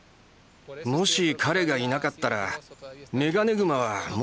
もし彼がいなかったらメガネグマはもうとっくに。